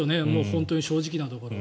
本当に正直なところ。